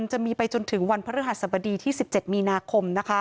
จะมีไปจนถึงวันพระเรือหัชฌรบดี๑๗มีนาคม